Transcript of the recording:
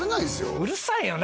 うるさいよね